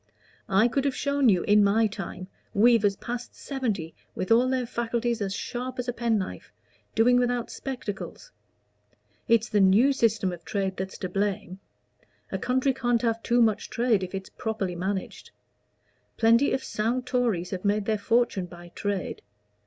I could have shown you, in my time, weavers past seventy, with all their faculties as sharp as a pen knife, doing without spectacles. It's the new system of trade that's to blame: a country can't have too much trade if it's properly managed. Plenty of sound Tories have made their fortune by trade.